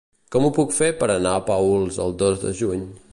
Com ho puc fer per anar a Paüls el dos de juny?